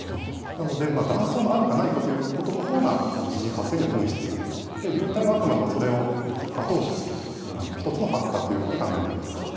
断層があるかないかということのほうが地震発生には本質で流体はあくまでもそれを後押しする１つのファクターと考えています。